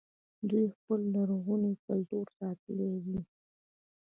دوی خپل لرغونی کلتور ساتلی و